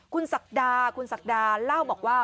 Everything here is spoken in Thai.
คุณศักดาคุณศักดาเล่าบอกว่า